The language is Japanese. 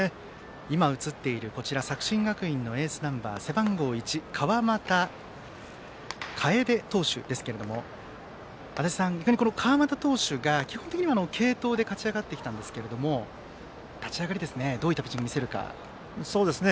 今、映っているのは作新学院のエースナンバー背番号１、川又楓投手ですが足達さん、川又投手が基本的には継投で勝ち上がってきたんですけれども立ち上がりどういったものを見せるか。